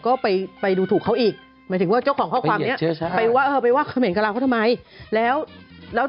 ข้อความเนี่ยยังไม่เห็นว่าแล้วบีบกิ๊บและบี้ทำอะไร